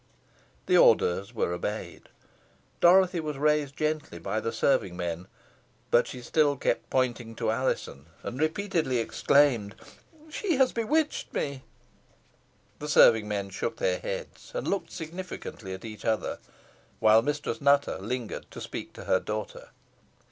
The orders were obeyed. Dorothy was raised gently by the serving men, but she still kept pointing to Alizon, and repeatedly exclaimed "She has bewitched me!" The serving men shook their heads, and looked significantly at each other, while Mistress Nutter lingered to speak to her daughter.